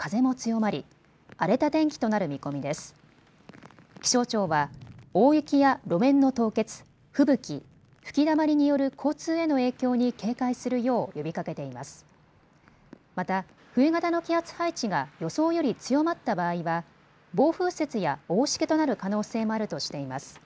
また、冬型の気圧配置が予想より強まった場合は暴風雪や大しけとなる可能性もあるとしています。